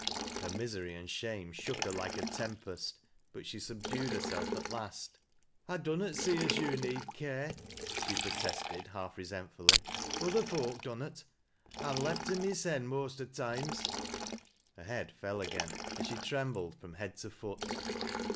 Her misery and shame shook her like a tempest. But she subdued herself at last. " I dunnot see as yo' need care," she protested half re sentf ully. " Other folk dunnot. I'm left to mysen most o' toimes." Her head fell again and she trembled froin head to foot.